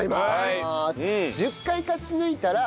１０回勝ち抜いたら『